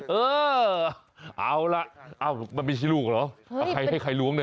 เออเอาล่ะเอ้ามันไม่ใช่ลูกเหรออ่ะให้ล้วงหน่อย